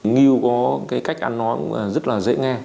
ngưu có cách ăn nói rất dễ nghe